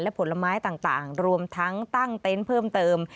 และผลไม้ต่างรวมทั้งตั้งเต็นต์เพิ่มเติม